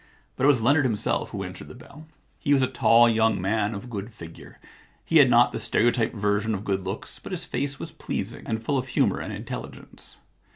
But it was Leonard himself who answered the bell. He was a tall young man of good figure. He had not the stereotyped version pf good looks, but his face was pleasing and full of humour and intelligence.